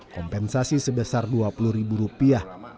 kompensasi sebesar dua puluh ribu rupiah